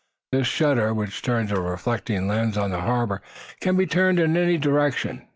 This shutter, which turns a reflecting lens on the harbor, can be turned in any direction.